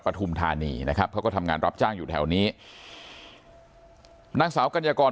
ปฐุมธานีนะครับเขาก็ทำงานรับจ้างอยู่แถวนี้นางสาวกัญญากร